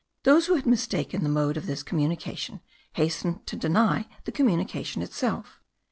Those who had mistaken the mode of this communication hastened to deny the communication itself.